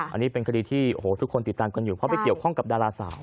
อันนี้เป็นคดีที่โอ้โหทุกคนติดตามกันอยู่เพราะไปเกี่ยวข้องกับดาราสาว